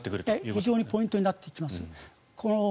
非常にポイントになってきます。